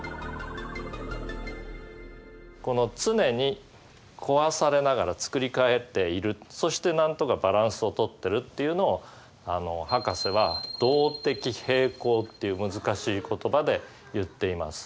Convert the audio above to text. この常に壊されながら作り替えているそしてなんとかバランスを取ってるっていうのをハカセは動的平衡っていう難しい言葉で言っています。